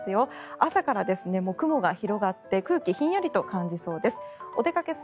朝から雲が広がって空気、ひんやりと感じそうです。